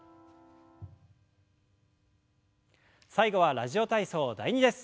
最後は「ラジオ体操第２」です。